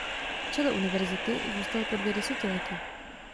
V čele univerzity zůstal po dvě desetiletí.